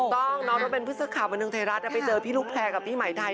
ที่รุ่นในครั้งเอิงไทยรัฐไปเจอพี่ลูกแพร่กับพี่หมายไทย